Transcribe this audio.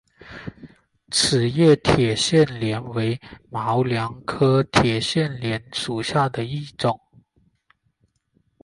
齿叶铁线莲为毛茛科铁线莲属下的一个种。